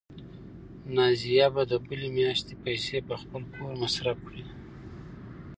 نازیه به د بلې میاشتې پیسې په خپل کور مصرف کړي.